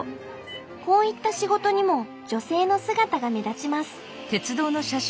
こういった仕事にも女性の姿が目立ちます。